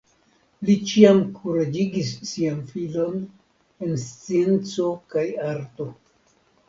Li ĉiam kuraĝigis sian filon en scienco kaj arto.